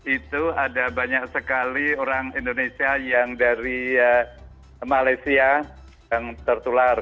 itu ada banyak sekali orang indonesia yang dari malaysia yang tertular